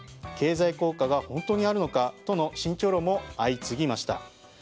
経済効果が本当にあるのかとの慎重論も相次ぎました。